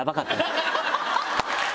ハハハ！